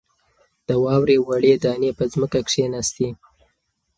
د واورې وړې دانې په ځمکه کښېناستې.